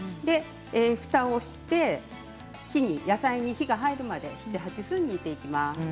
ふたをして野菜に火が入るまで７、８分煮ていきます。